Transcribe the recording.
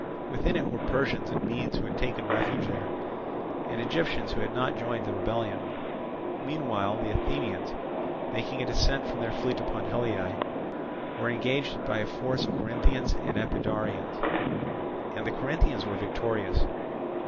Within it were Persians and Medes who had taken refuge there, and Egyptians who had not joined the rebellion. Meanwhile the Athenians, making a descent from their fleet upon Haliae, were engaged by a force of Corinthians and Epidaurians; and the Corinthians were victorious.